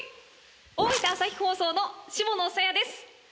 大分朝日放送の下野紗弥です。